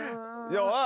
おい。